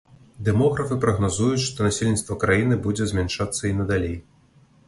Дэмографы прагназуюць, што насельніцтва краіны будзе змяншацца і надалей.